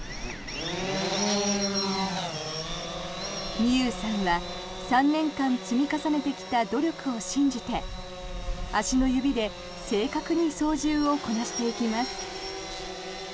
美侑さんは３年間積み重ねてきた努力を信じて足の指で正確に操縦をこなしていきます。